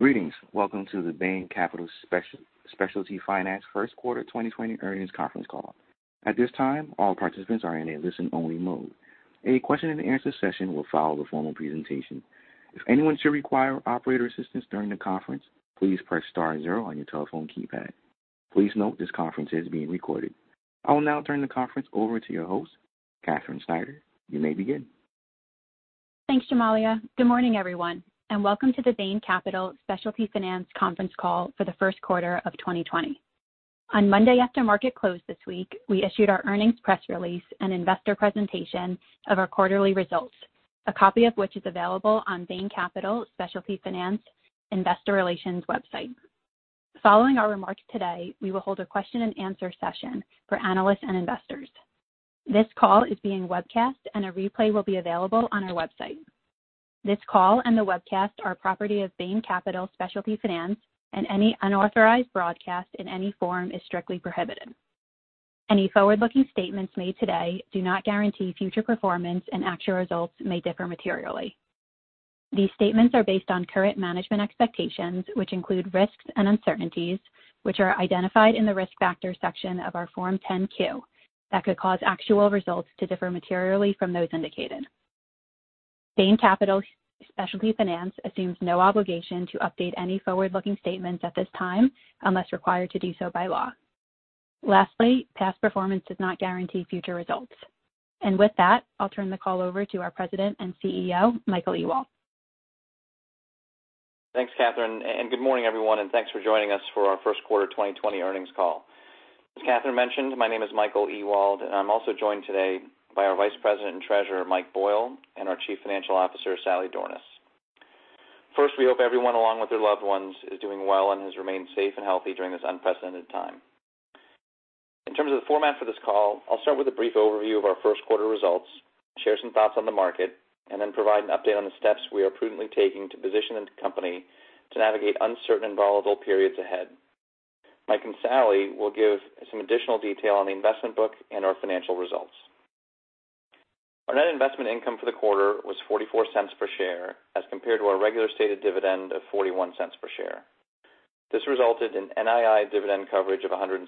Greetings. Welcome to the Bain Capital Specialty Finance first quarter 2020 earnings conference call. At this time, all participants are in a listen-only mode. A question-and-answer session will follow the formal presentation. If anyone should require operator assistance during the conference, please press star zero on your telephone keypad. Please note this conference is being recorded. I will now turn the conference over to your host, Katherine Schneider. You may begin. Thanks, Jamalia. Good morning, everyone, and welcome to the Bain Capital Specialty Finance conference call for the first quarter of 2020. On Monday after market close this week, we issued our earnings press release and investor presentation of our quarterly results, a copy of which is available on Bain Capital Specialty Finance Investor Relations website. Following our remarks today, we will hold a question-and-answer session for analysts and investors. This call is being webcast, and a replay will be available on our website. This call and the webcast are property of Bain Capital Specialty Finance, and any unauthorized broadcast in any form is strictly prohibited. Any forward-looking statements made today do not guarantee future performance, and actual results may differ materially. These statements are based on current management expectations, which include risks and uncertainties, which are identified in the Risk Factors section of our Form 10-Q that could cause actual results to differ materially from those indicated. Bain Capital Specialty Finance assumes no obligation to update any forward-looking statements at this time unless required to do so by law. Lastly, past performance does not guarantee future results. With that, I'll turn the call over to our President and CEO, Michael Ewald. Thanks, Katherine, and good morning, everyone, and thanks for joining us for our first quarter 2020 earnings call. As Katherine mentioned, my name is Michael Ewald, and I'm also joined today by our Vice President and Treasurer, Mike Boyle, and our Chief Financial Officer, Sally Dornaus. First, we hope everyone, along with their loved ones, is doing well and has remained safe and healthy during this unprecedented time. In terms of the format for this call, I'll start with a brief overview of our first quarter results, share some thoughts on the market, and then provide an update on the steps we are prudently taking to position the company to navigate uncertain and volatile periods ahead. Mike and Sally will give some additional detail on the investment book and our financial results. Our net investment income for the quarter was $0.44 per share as compared to our regular stated dividend of $0.41 per share. This resulted in NII dividend coverage of 107%.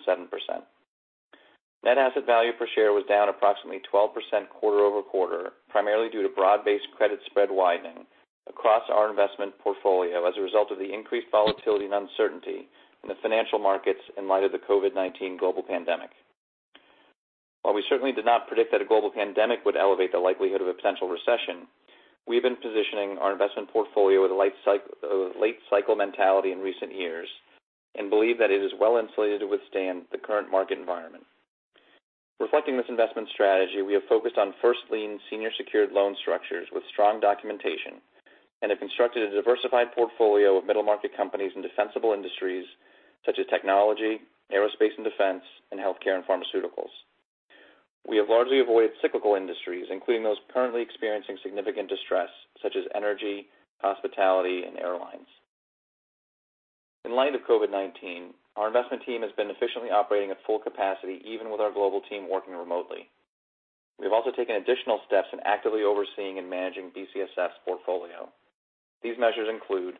Net asset value per share was down approximately 12% quarter-over-quarter, primarily due to broad-based credit spread widening across our investment portfolio as a result of the increased volatility and uncertainty in the financial markets in light of the COVID-19 global pandemic. While we certainly did not predict that a global pandemic would elevate the likelihood of a potential recession, we have been positioning our investment portfolio with a late cycle mentality in recent years and believe that it is well insulated to withstand the current market environment. Reflecting this investment strategy, we have focused on first lien senior secured loan structures with strong documentation and have constructed a diversified portfolio of middle-market companies in defensible industries such as technology, aerospace and defense, and healthcare and pharmaceuticals. We have largely avoided cyclical industries, including those currently experiencing significant distress, such as energy, hospitality, and airlines. In light of COVID-19, our investment team has been efficiently operating at full capacity, even with our global team working remotely. We've also taken additional steps in actively overseeing and managing BCSF portfolio. These measures include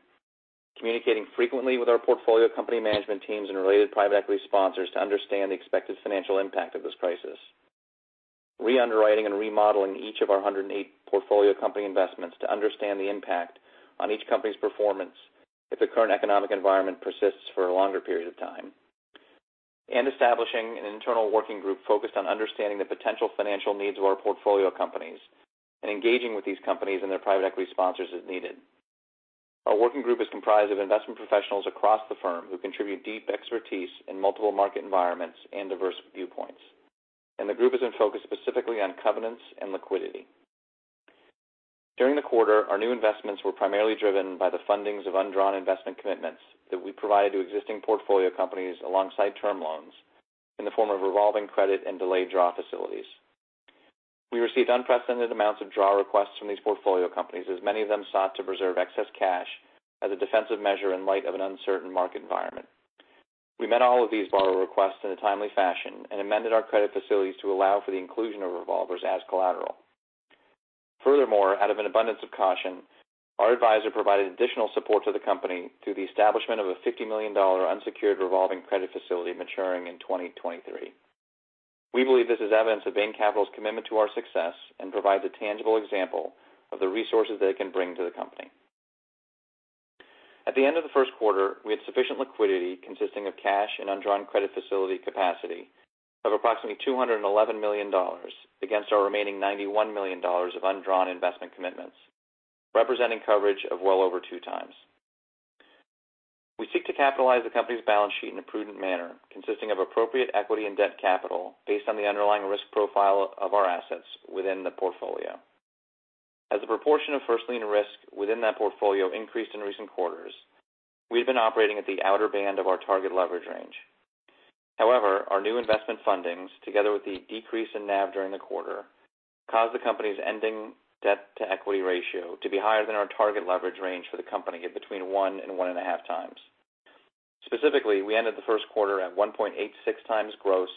communicating frequently with our portfolio company management teams and related private equity sponsors to understand the expected financial impact of this crisis, re-underwriting and remodeling each of our 108 portfolio company investments to understand the impact on each company's performance if the current economic environment persists for a longer period of time, and establishing an internal working group focused on understanding the potential financial needs of our portfolio companies and engaging with these companies and their private equity sponsors as needed. Our working group is comprised of investment professionals across the firm who contribute deep expertise in multiple market environments and diverse viewpoints. The group is in focus specifically on covenants and liquidity. During the quarter, our new investments were primarily driven by the fundings of undrawn investment commitments that we provided to existing portfolio companies alongside term loans in the form of revolving credit and delayed draw facilities. We received unprecedented amounts of draw requests from these portfolio companies as many of them sought to preserve excess cash as a defensive measure in light of an uncertain market environment. We met all of these borrow requests in a timely fashion and amended our credit facilities to allow for the inclusion of revolvers as collateral. Furthermore, out of an abundance of caution, our advisor provided additional support to the company through the establishment of a $50 million unsecured revolving credit facility maturing in 2023. We believe this is evidence of Bain Capital's commitment to our success and provides a tangible example of the resources they can bring to the company. At the end of the first quarter, we had sufficient liquidity consisting of cash and undrawn credit facility capacity of approximately $211 million against our remaining $91 million of undrawn investment commitments, representing coverage of well over 2x. We seek to capitalize the company's balance sheet in a prudent manner consisting of appropriate equity and debt capital based on the underlying risk profile of our assets within the portfolio. As the proportion of first lien risk within that portfolio increased in recent quarters, we've been operating at the outer band of our target leverage range. Our new investment fundings, together with the decrease in NAV during the quarter, caused the company's ending debt-to-equity ratio to be higher than our target leverage range for the company at between 1x and 1.5x. Specifically, we ended the first quarter at 1.86x gross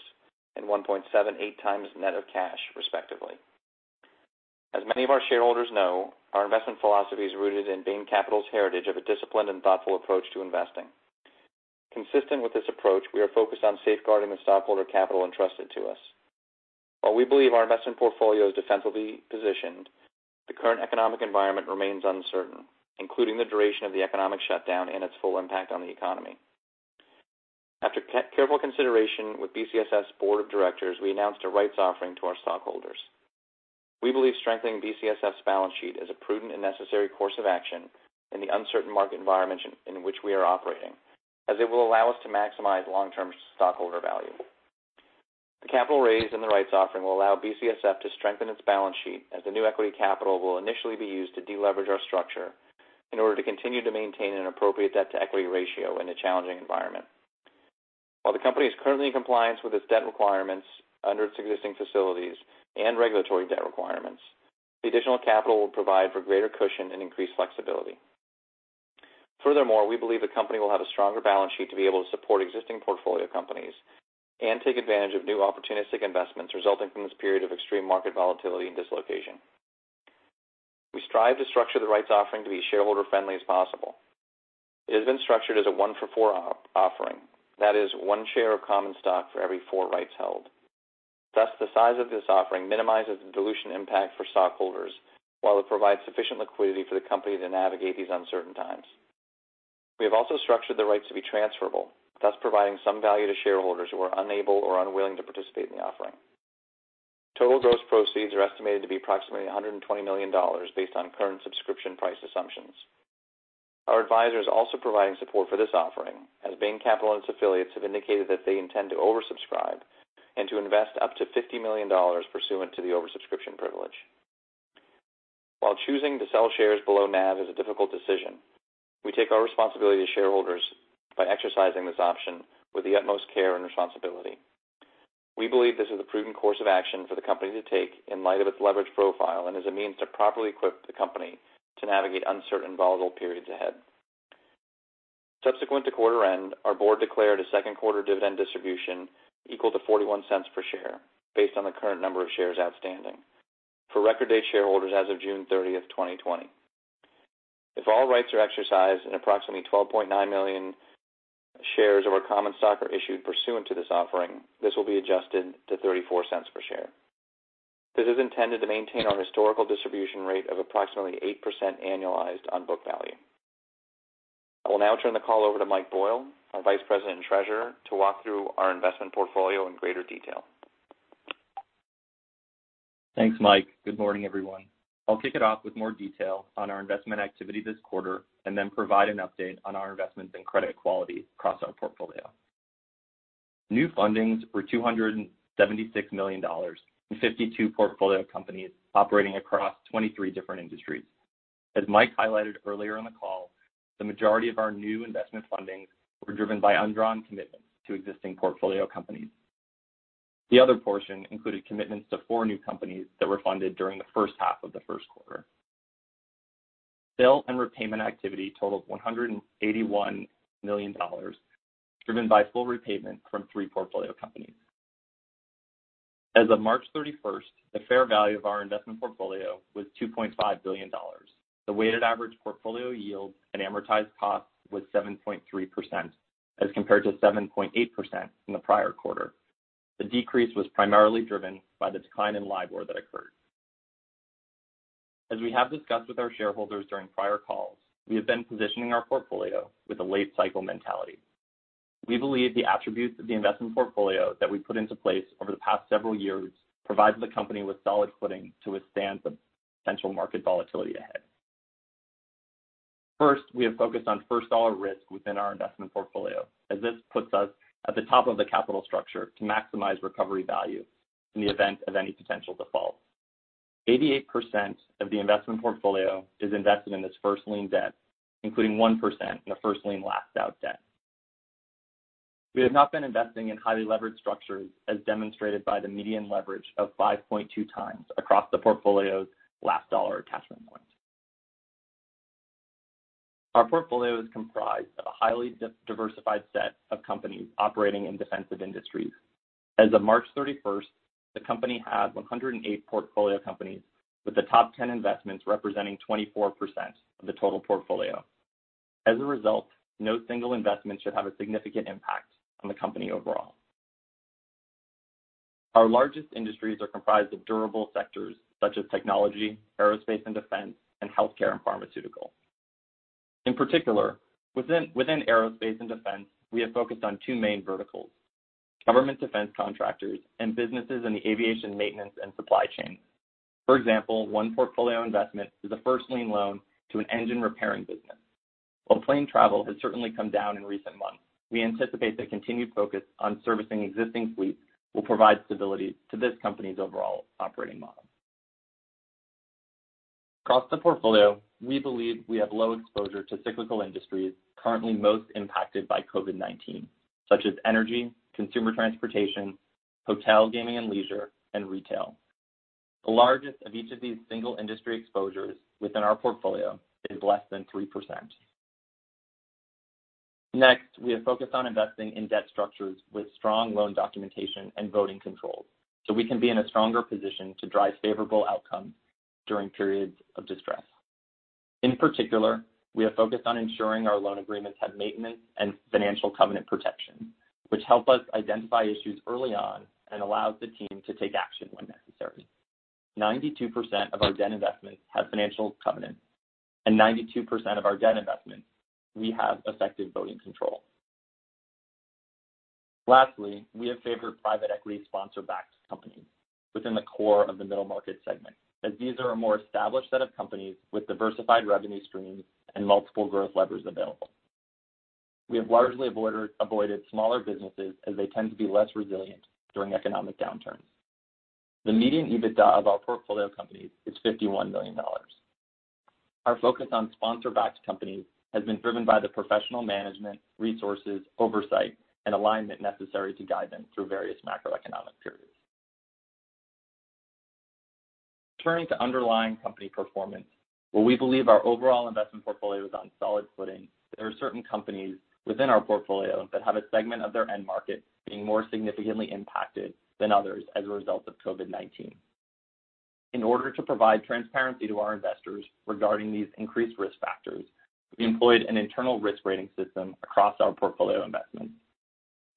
and 1.78x net of cash, respectively. As many of our shareholders know, our investment philosophy is rooted in Bain Capital's heritage of a disciplined and thoughtful approach to investing. Consistent with this approach, we are focused on safeguarding the stockholder capital entrusted to us. While we believe our investment portfolio is defensively positioned, the current economic environment remains uncertain, including the duration of the economic shutdown and its full impact on the economy. After careful consideration with BCSF's Board of Directors, we announced a rights offering to our stockholders. We believe strengthening BCSF's balance sheet is a prudent and necessary course of action in the uncertain market environment in which we are operating, as it will allow us to maximize long-term stockholder value. The capital raise in the rights offering will allow BCSF to strengthen its balance sheet, as the new equity capital will initially be used to deleverage our structure in order to continue to maintain an appropriate debt-to-equity ratio in a challenging environment. While the company is currently in compliance with its debt requirements under its existing facilities and regulatory debt requirements, the additional capital will provide for greater cushion and increased flexibility. We believe the company will have a stronger balance sheet to be able to support existing portfolio companies and take advantage of new opportunistic investments resulting from this period of extreme market volatility and dislocation. We strive to structure the rights offering to be shareholder-friendly as possible. It has been structured as a 1-for-4 offering. That is one share of common stock for every four rights held. Thus, the size of this offering minimizes the dilution impact for stockholders, while it provides sufficient liquidity for the company to navigate these uncertain times. We have also structured the rights to be transferable, thus providing some value to shareholders who are unable or unwilling to participate in the offering. Total gross proceeds are estimated to be approximately $120 million based on current subscription price assumptions. Our advisor is also providing support for this offering, as Bain Capital and its affiliates have indicated that they intend to oversubscribe and to invest up to $50 million pursuant to the oversubscription privilege. While choosing to sell shares below NAV is a difficult decision, we take our responsibility to shareholders by exercising this option with the utmost care and responsibility. We believe this is a prudent course of action for the company to take in light of its leverage profile and as a means to properly equip the company to navigate uncertain, volatile periods ahead. Subsequent to quarter end, our Board declared a second quarter dividend distribution equal to $0.41 per share based on the current number of shares outstanding for record date shareholders as of June 30th, 2020. If all rights are exercised and approximately 12.9 million shares of our common stock are issued pursuant to this offering, this will be adjusted to $0.34 per share. This is intended to maintain our historical distribution rate of approximately 8% annualized on book value. I will now turn the call over to Mike Boyle, our Vice President and Treasurer, to walk through our investment portfolio in greater detail. Thanks, Mike. Good morning, everyone. I'll kick it off with more detail on our investment activity this quarter and then provide an update on our investments in credit quality across our portfolio. New fundings were $276 million in 52 portfolio companies operating across 23 different industries. As Mike highlighted earlier in the call, the majority of our new investment fundings were driven by undrawn commitments to existing portfolio companies. The other portion included commitments to four new companies that were funded during the first half of the first quarter. Sale and repayment activity totaled $181 million, driven by full repayment from three portfolio companies. As of March 31st, the fair value of our investment portfolio was $2.5 billion. The weighted average portfolio yield and amortized cost was 7.3%, as compared to 7.8% in the prior quarter. The decrease was primarily driven by the decline in LIBOR that occurred. As we have discussed with our shareholders during prior calls, we have been positioning our portfolio with a late-cycle mentality. We believe the attributes of the investment portfolio that we put into place over the past several years provides the company with solid footing to withstand some potential market volatility ahead. First, we have focused on first dollar risk within our investment portfolio, as this puts us at the top of the capital structure to maximize recovery value in the event of any potential default. 88% of the investment portfolio is invested in its first lien debt, including 1% in the first lien last out debt. We have not been investing in highly leveraged structures, as demonstrated by the median leverage of 5.2x across the portfolio's last dollar attachment points. Our portfolio is comprised of a highly diversified set of companies operating in defensive industries. As of March 31st, the company had 108 portfolio companies, with the top 10 investments representing 24% of the total portfolio. As a result, no single investment should have a significant impact on the company overall. Our largest industries are comprised of durable sectors such as technology, aerospace and defense, and healthcare and pharmaceutical. In particular, within aerospace and defense, we have focused on two main verticals, government defense contractors and businesses in the aviation maintenance and supply chain. For example, one portfolio investment is a first lien loan to an engine repairing business. While plane travel has certainly come down in recent months, we anticipate the continued focus on servicing existing fleets will provide stability to this company's overall operating model. Across the portfolio, we believe we have low exposure to cyclical industries currently most impacted by COVID-19, such as energy, consumer transportation, hotel, gaming and leisure, and retail. The largest of each of these single industry exposures within our portfolio is less than 3%. We have focused on investing in debt structures with strong loan documentation and voting controls, so we can be in a stronger position to drive favorable outcomes during periods of distress. In particular, we are focused on ensuring our loan agreements have maintenance and financial covenant protection, which help us identify issues early on and allows the team to take action when necessary. 92% of our debt investments have financial covenants, and 92% of our debt investments, we have effective voting control. Lastly, we have favored private equity sponsor-backed companies within the core of the middle market segment, as these are a more established set of companies with diversified revenue streams and multiple growth levers available. We have largely avoided smaller businesses as they tend to be less resilient during economic downturns. The median EBITDA of our portfolio companies is $51 million. Our focus on sponsor-backed companies has been driven by the professional management, resources, oversight, and alignment necessary to guide them through various macroeconomic periods. Turning to underlying company performance, where we believe our overall investment portfolio is on solid footing, there are certain companies within our portfolio that have a segment of their end market being more significantly impacted than others as a result of COVID-19. In order to provide transparency to our investors regarding these increased risk factors, we employed an internal risk rating system across our portfolio investments.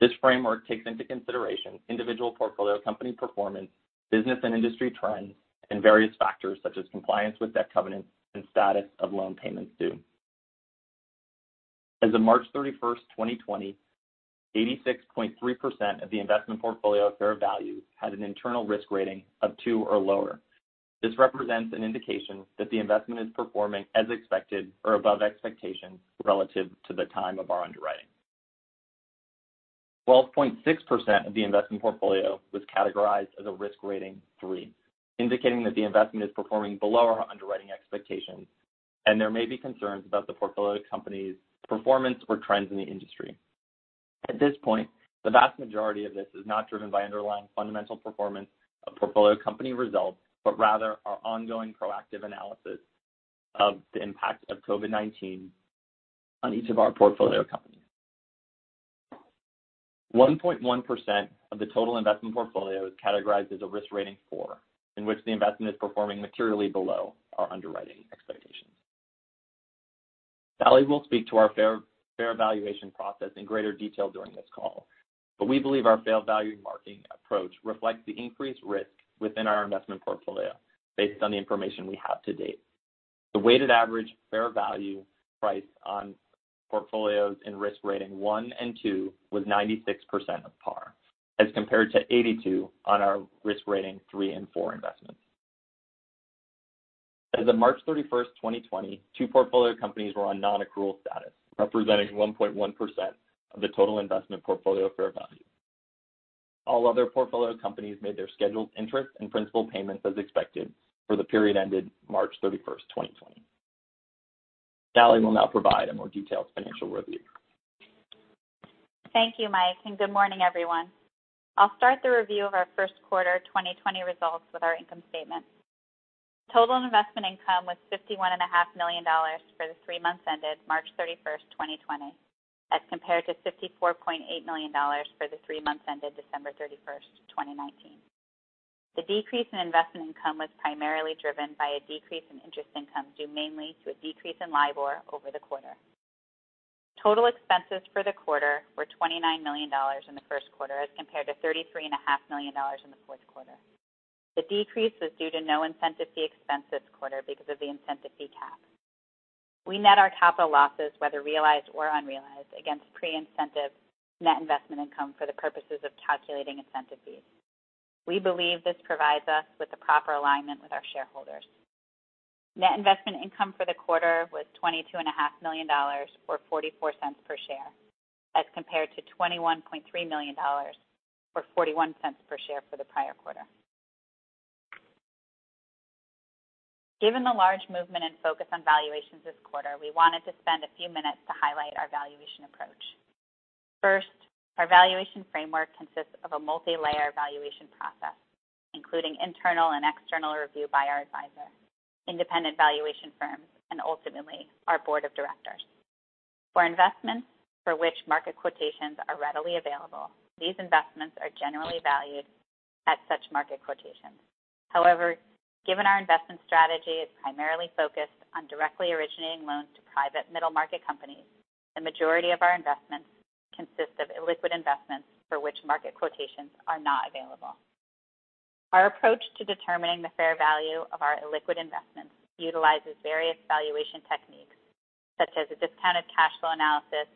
This framework takes into consideration individual portfolio company performance, business and industry trends, and various factors such as compliance with debt covenants and status of loan payments due. As of March 31st, 2020, 86.3% of the investment portfolio at fair value had an internal Risk Rating of 2 or lower. This represents an indication that the investment is performing as expected or above expectations relative to the time of our underwriting. 12.6% of the investment portfolio was categorized as a Risk Rating 3, indicating that the investment is performing below our underwriting expectations, and there may be concerns about the portfolio company's performance or trends in the industry. At this point, the vast majority of this is not driven by underlying fundamental performance of portfolio company results, but rather our ongoing proactive analysis of the impact of COVID-19 on each of our portfolio companies. 1.1% of the total investment portfolio is categorized as a Risk Rating 4, in which the investment is performing materially below our underwriting expectations. Sally will speak to our fair valuation process in greater detail during this call, but we believe our fair value marking approach reflects the increased risk within our investment portfolio based on the information we have to date. The weighted average fair value price on portfolios in Risk Rating 1 and Risk Rating 2 was 96% of par, as compared to 82% on our Risk Rating 3 and Risk Rating 4 investments. As of March 31st, 2020, two portfolio companies were on non-accrual status, representing 1.1% of the total investment portfolio fair value. All other portfolio companies made their scheduled interest and principal payments as expected for the period ended March 31st, 2020. Sally will now provide a more detailed financial review. Thank you, Mike, and good morning, everyone. I'll start the review of our first quarter 2020 results with our income statement. Total investment income was $51.5 million for the three months ended March 31st, 2020, as compared to $54.8 million for the three months ended December 31st, 2019. The decrease in investment income was primarily driven by a decrease in interest income due mainly to a decrease in LIBOR over the quarter. Total expenses for the quarter were $29 million in the first quarter as compared to $33.5 million in the fourth quarter. The decrease was due to no incentive fee expense this quarter because of the incentive fee cap. We net our capital losses, whether realized or unrealized, against pre-incentive net investment income for the purposes of calculating incentive fees. We believe this provides us with the proper alignment with our shareholders. Net investment income for the quarter was $22.5 million, or $0.44 per share, as compared to $21.3 million, or $0.41 per share for the prior quarter. Given the large movement and focus on valuations this quarter, we wanted to spend a few minutes to highlight our valuation approach. First, our valuation framework consists of a multilayer valuation process, including internal and external review by our advisor, independent valuation firms, and ultimately, our board of directors. For investments for which market quotations are readily available, these investments are generally valued at such market quotations. However, given our investment strategy is primarily focused on directly originating loans to private middle market companies, the majority of our investments consist of illiquid investments for which market quotations are not available. Our approach to determining the fair value of our illiquid investments utilizes various valuation techniques, such as a discounted cash flow analysis,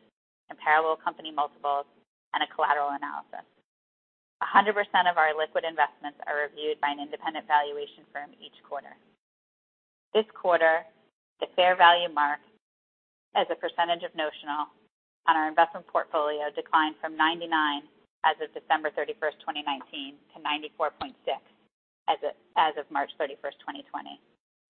comparable company multiples, and a collateral analysis. 100% of our illiquid investments are reviewed by an independent valuation firm each quarter. This quarter, the fair value mark as a percentage of notional on our investment portfolio declined from 99% as of December 31st, 2019, to 94.6% as of March 31st, 2020.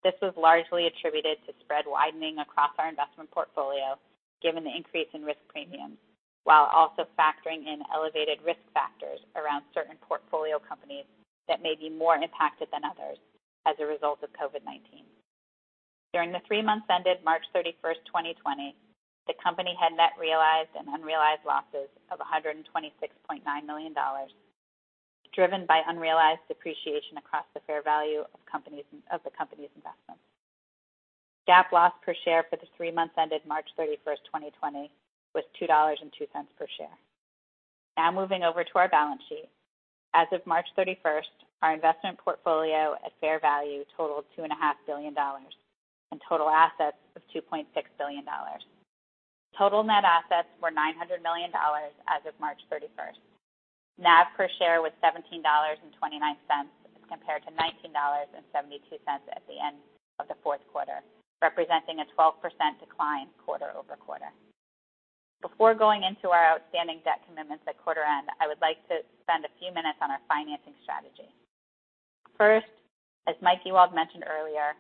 This was largely attributed to spread widening across our investment portfolio, given the increase in risk premiums, while also factoring in elevated risk factors around certain portfolio companies that may be more impacted than others as a result of COVID-19. During the three months ended March 31st, 2020, the company had net realized and unrealized losses of $126.9 million, driven by unrealized depreciation across the fair value of the company's investments. GAAP loss per share for the three months ended March 31st, 2020 was $2.02 per share. Moving over to our balance sheet. As of March 31st, our investment portfolio at fair value totaled $2.5 billion, and total assets of $2.6 billion. Total net assets were $900 million as of March 31st. NAV per share was $17.29 as compared to $19.72 at the end of the fourth quarter, representing a 12% decline quarter-over-quarter. Before going into our outstanding debt commitments at quarter end, I would like to spend a few minutes on our financing strategy. As Mike Ewald mentioned earlier,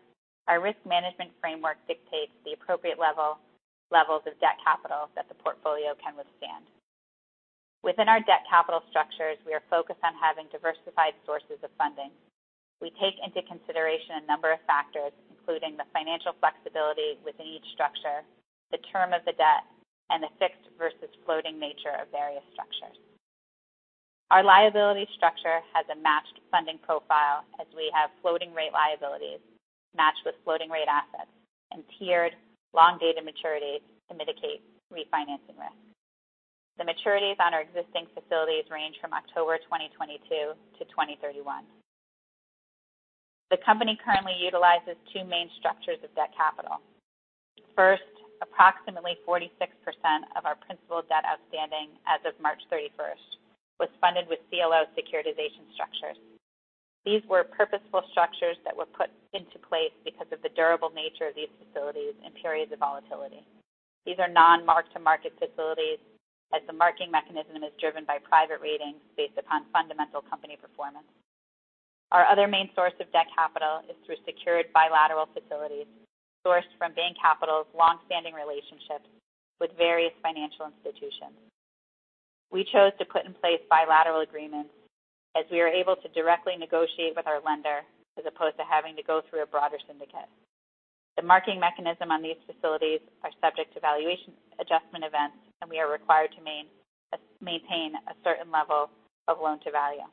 our risk management framework dictates the appropriate levels of debt capital that the portfolio can withstand. Within our debt capital structures, we are focused on having diversified sources of funding. We take into consideration a number of factors, including the financial flexibility within each structure, the term of the debt, and the fixed versus floating nature of various structures. Our liability structure has a matched funding profile, as we have floating rate liabilities matched with floating rate assets and tiered long-dated maturities to mitigate refinancing risk. The maturities on our existing facilities range from October 2022 to 2031. The company currently utilizes two main structures of debt capital. First, approximately 46% of our principal debt outstanding as of March 31st was funded with CLO securitization structures. These were purposeful structures that were put into place because of the durable nature of these facilities in periods of volatility. These are non-mark-to-market facilities, as the marking mechanism is driven by private ratings based upon fundamental company performance. Our other main source of debt capital is through secured bilateral facilities sourced from Bain Capital's longstanding relationships with various financial institutions. We chose to put in place bilateral agreements, as we are able to directly negotiate with our lender as opposed to having to go through a broader syndicate. The marking mechanism on these facilities are subject to valuation adjustment events, and we are required to maintain a certain level of loan-to-value.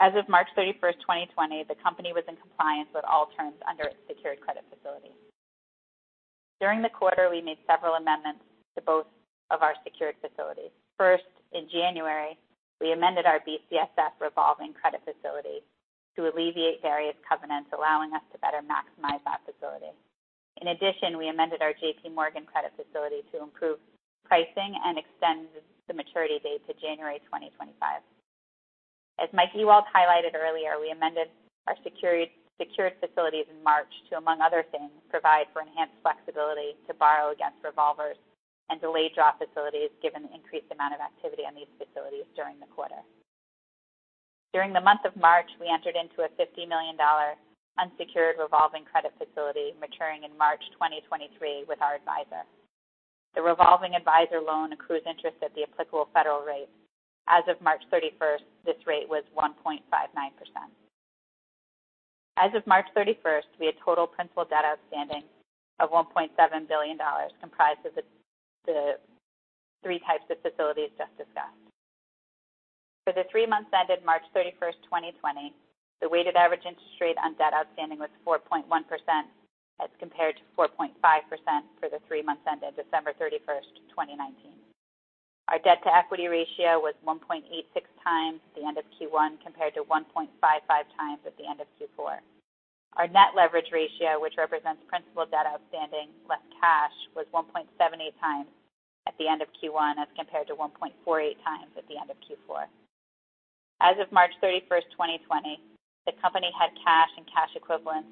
As of March 31st, 2020, the company was in compliance with all terms under its secured credit facility. During the quarter, we made several amendments to both of our secured facilities. First, in January, we amended our BCSF revolving credit facility to alleviate various covenants, allowing us to better maximize that facility. In addition, we amended our JPMorgan credit facility to improve pricing and extend the maturity date to January 2025. As Mike Ewald highlighted earlier, we amended our secured facilities in March to, among other things, provide for enhanced flexibility to borrow against revolvers and delayed draw facilities, given the increased amount of activity on these facilities during the quarter. During the month of March, we entered into a $50 million unsecured revolving credit facility maturing in March 2023 with our advisor. The revolving advisor loan accrues interest at the applicable federal rate. As of March 31st, this rate was 1.59%. As of March 31st, we had total principal debt outstanding of $1.7 billion, comprised of the three types of facilities just discussed. For the three months ended March 31st, 2020, the weighted average interest rate on debt outstanding was 4.1%, as compared to 4.5% for the three months ended December 31st, 2019. Our debt-to-equity ratio was 1.86x at the end of Q1, compared to 1.55x at the end of Q4. Our net leverage ratio, which represents principal debt outstanding less cash, was 1.78x at the end of Q1 as compared to 1.48x at the end of Q4. As of March 31st, 2020, the company had cash and cash equivalents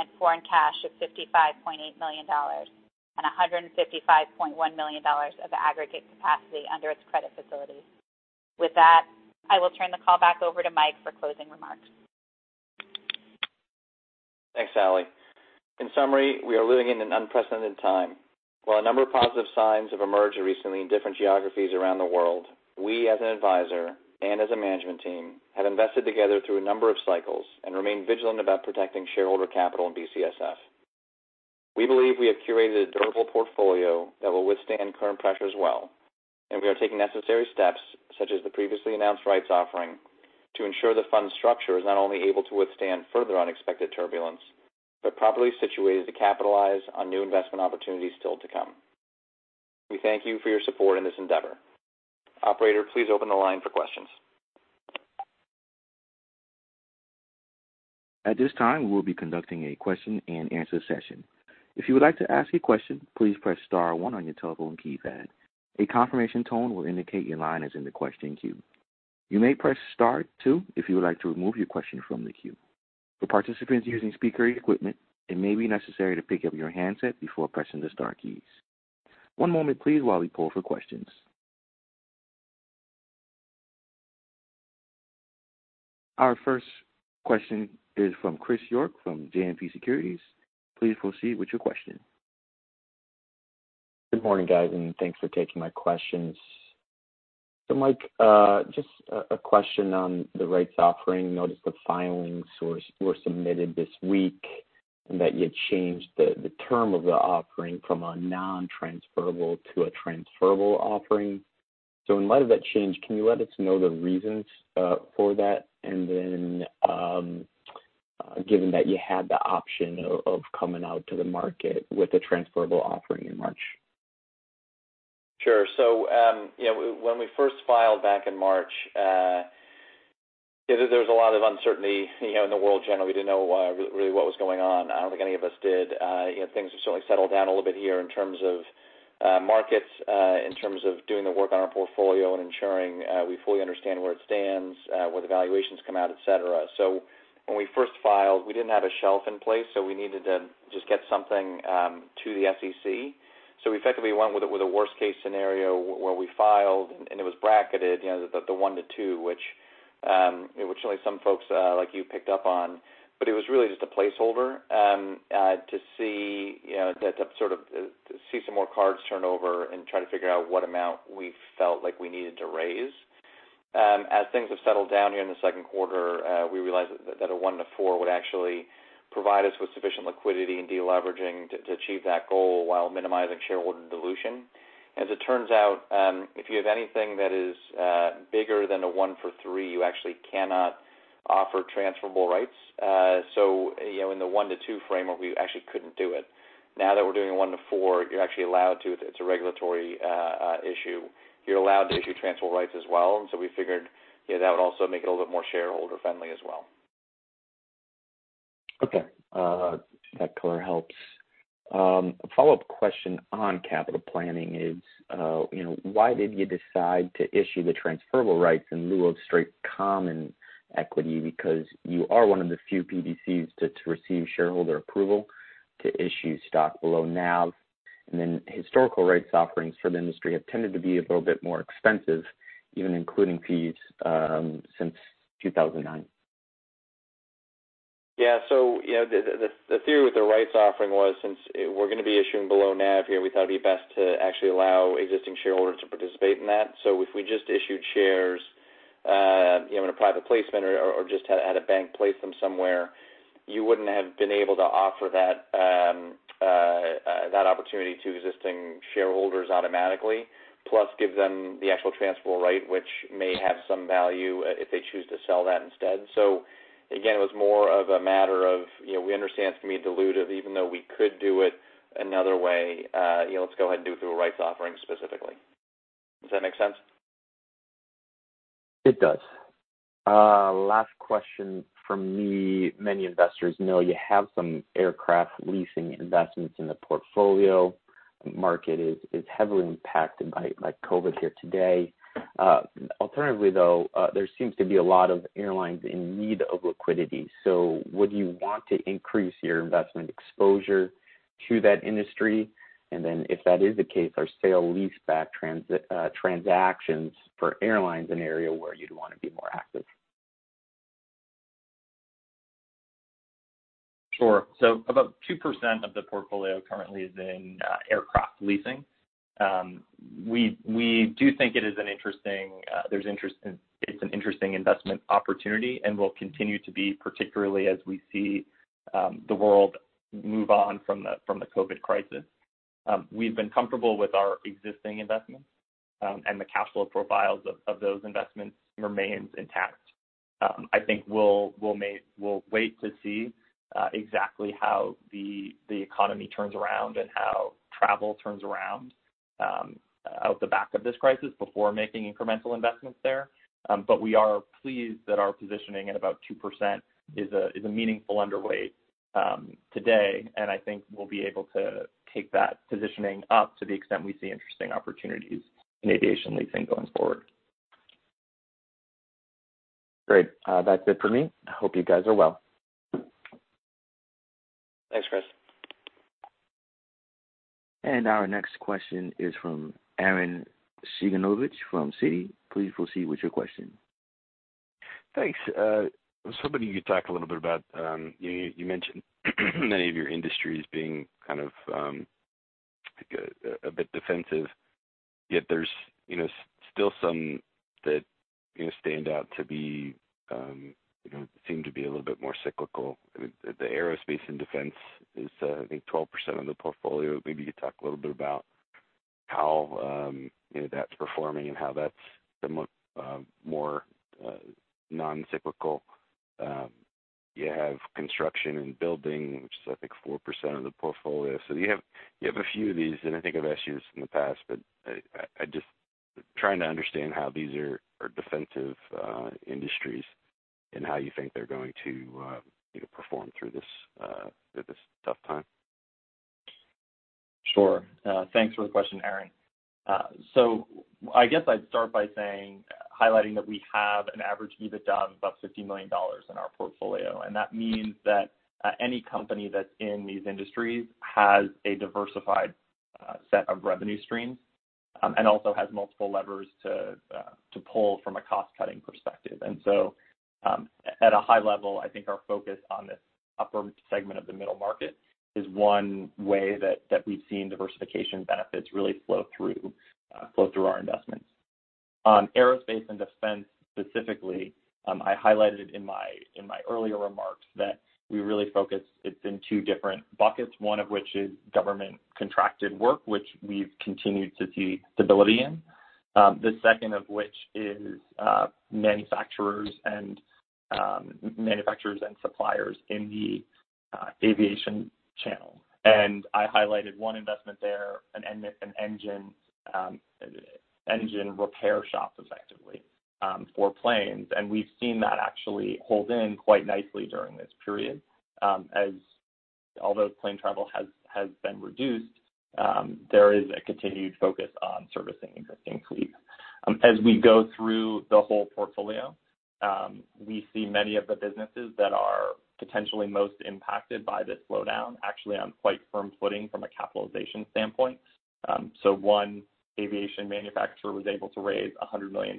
and foreign cash of $55.8 million and $155.1 million of aggregate capacity under its credit facility. With that, I will turn the call back over to Mike for closing remarks. Thanks, Sally. In summary, we are living in an unprecedented time. While a number of positive signs have emerged recently in different geographies around the world, we, as an advisor and as a management team, have invested together through a number of cycles and remain vigilant about protecting shareholder capital in BCSF. We believe we have curated a durable portfolio that will withstand current pressures well, and we are taking necessary steps, such as the previously announced rights offering, to ensure the fund's structure is not only able to withstand further unexpected turbulence, but properly situated to capitalize on new investment opportunities still to come. We thank you for your support in this endeavor. Operator, please open the line for questions. At this time, we will be conducting a question-and-answer session. If you would like to ask a question, please press star one on your telephone keypad. A confirmation tone will indicate your line is in the question queue. You may press star two if you would like to remove your question from the queue. For participants using speaker equipment, it may be necessary to pick up your handset before pressing the star keys. One moment, please, while we poll for questions. Our first question is from Chris York from JMP Securities. Please proceed with your question. Good morning, guys. Thanks for taking my questions. Mike, just a question on the rights offering. I noticed the filings were submitted this week, that you changed the term of the offering from a non-transferable to a transferable offering. In light of that change, can you let us know the reasons for that and then given that you had the option of coming out to the market with a transferable offering in March? Sure. When we first filed back in March, there was a lot of uncertainty in the world generally. We didn't know really what was going on. I don't think any of us did. Things have certainly settled down a little bit here in terms of markets, in terms of doing the work on our portfolio and ensuring we fully understand where it stands, where the valuations come out, et cetera. When we first filed, we didn't have a shelf in place, so we needed to just get something to the SEC. We effectively went with a worst-case scenario where we filed and it was bracketed, the 1:2, which some folks like you picked up on. It was really just a placeholder to see some more cards turned over and try to figure out what amount we felt like we needed to raise. As things have settled down here in the second quarter, we realized that a 1:4 would actually provide us with sufficient liquidity and de-leveraging to achieve that goal while minimizing shareholder dilution. As it turns out, if you have anything that is bigger than a 1-for-3, you actually cannot offer transferable rights. In the 1:2 framework, we actually couldn't do it. Now that we're doing a 1:4, you're actually allowed to. It's a regulatory issue. You're allowed to issue transferable rights as well. We figured that would also make it a little bit more shareholder-friendly as well. Okay. That color helps. A follow-up question on capital planning is why did you decide to issue the transferable rights in lieu of straight common equity? You are one of the few BDCs to receive shareholder approval to issue stock below NAV. Historical rights offerings for the industry have tended to be a little bit more expensive, even including fees since 2009. The theory with the rights offering was, since we're going to be issuing below NAV here, we thought it'd be best to actually allow existing shareholders to participate in that. If we just issued shares in a private placement or just had a bank place them somewhere, you wouldn't have been able to offer that opportunity to existing shareholders automatically, plus give them the actual transferable right, which may have some value if they choose to sell that instead. Again, it was more of a matter of we understand it's going to be dilutive even though we could do it another way. Let's go ahead and do it through a rights offering specifically. Does that make sense? It does. Last question from me. Many investors know you have some aircraft leasing investments in the portfolio. Market is heavily impacted by COVID here today. Alternatively, though, there seems to be a lot of airlines in need of liquidity. Would you want to increase your investment exposure to that industry? Then if that is the case, are sale-lease-back transactions for airlines an area where you'd want to be more active? About 2% of the portfolio currently is in aircraft leasing. We do think it's an interesting investment opportunity and will continue to be, particularly as we see the world move on from the COVID crisis. We've been comfortable with our existing investments, and the capital profiles of those investments remains intact. I think we'll wait to see exactly how the economy turns around and how travel turns around out the back of this crisis before making incremental investments there. We are pleased that our positioning at about 2% is a meaningful underweight today, and I think we'll be able to take that positioning up to the extent we see interesting opportunities in aviation leasing going forward. Great. That's it for me. I hope you guys are well. Thanks, Chris. Our next question is from Arren Cyganovich from Citi. Please proceed with your question. Thanks. I was hoping you could talk a little bit about, you mentioned many of your industries being kind of a bit defensive, yet there's still some that stand out to be, seem to be a little bit more cyclical. The aerospace and defense is, I think, 12% of the portfolio. Maybe you could talk a little bit about how that's performing and how that's the more non-cyclical. You have construction and building, which is I think 4% of the portfolio. You have a few of these, and I think I've asked you this in the past, but I'm just trying to understand how these are defensive industries and how you think they're going to perform through this tough time. Sure. Thanks for the question, Arren. I guess I'd start by highlighting that we have an average EBITDA of about $50 million in our portfolio, and that means that any company that's in these industries has a diversified set of revenue streams, and also has multiple levers to pull from a cost-cutting perspective. At a high level, I think our focus on this upper segment of the middle market is one way that we've seen diversification benefits really flow through our investments. On aerospace and defense specifically, I highlighted in my earlier remarks that we really focus it in two different buckets, one of which is government-contracted work, which we've continued to see stability in. The second of which is manufacturers and suppliers in the aviation channel. I highlighted one investment there, an engine repair shop, effectively, for planes. We've seen that actually hold in quite nicely during this period. Although plane travel has been reduced, there is a continued focus on servicing existing fleet. We go through the whole portfolio, we see many of the businesses that are potentially most impacted by this slowdown actually on quite firm footing from a capitalization standpoint. One aviation manufacturer was able to raise $100 million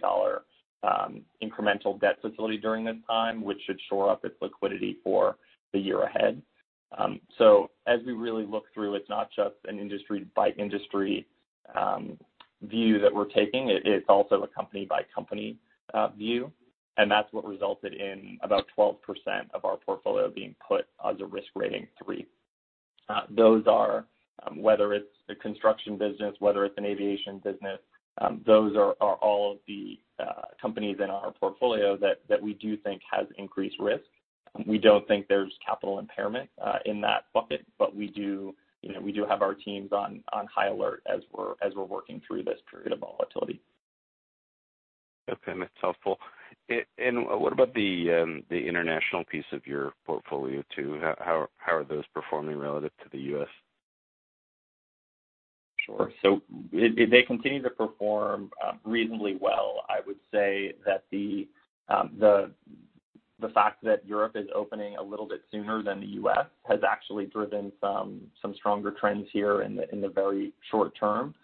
incremental debt facility during this time, which should shore up its liquidity for the year ahead. As we really look through, it's not just an industry-by-industry view that we're taking. It is also a company-by-company view, and that's what resulted in about 12% of our portfolio being put as a Risk Rating 3. Those are, whether it's the construction business, whether it's an aviation business, those are all of the companies in our portfolio that we do think has increased risk. We don't think there's capital impairment in that bucket, but we do have our teams on high alert as we're working through this period of volatility. Okay. That's helpful. What about the international piece of your portfolio too? How are those performing relative to the U.S.? Sure. They continue to perform reasonably well. I would say that the fact that Europe is opening a little bit sooner than the U.S. has actually driven some stronger trends here in the very short term.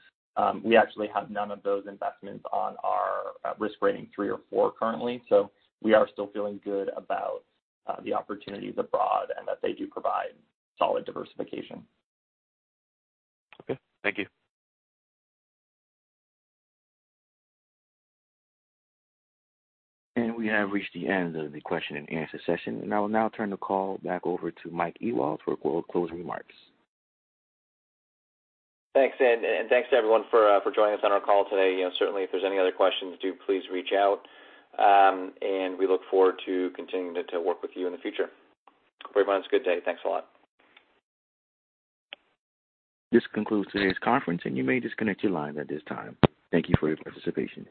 We actually have none of those investments on our Risk Rating 3 or Risk Rating 4 currently, so we are still feeling good about the opportunities abroad and that they do provide solid diversification. Okay. Thank you. We have reached the end of the question-and-answer session. I will now turn the call back over to Mike Ewald for closing remarks. Thanks, Ed, and thanks to everyone for joining us on our call today. Certainly, if there's any other questions, do please reach out. We look forward to continuing to work with you in the future. Hope everyone has a good day. Thanks a lot. This concludes today's conference, and you may disconnect your lines at this time. Thank you for your participation.